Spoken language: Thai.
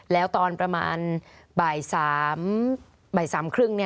แล้วตอนประมาณบ่ายสามครึ่ง